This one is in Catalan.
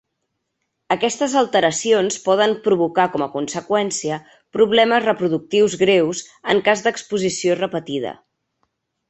Aquestes alteracions poden provocar com a conseqüència problemes reproductius greus en cas d'exposició repetida.